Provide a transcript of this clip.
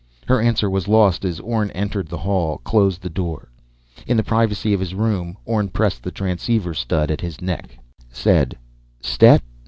Her answer was lost as Orne entered the hall, closed the door. In the privacy of his room, Orne pressed the transceiver stud at his neck, said: _"Stet?"